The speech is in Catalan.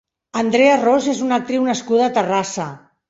Andrea Ros és una actriu nascuda a Terrassa.